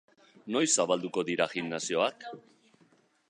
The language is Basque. Noiz zabalduko dira gimnasioak?